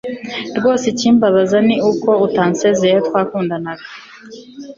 rwose jye ikimbabaza, ni uko utansezeyeho twakundanaga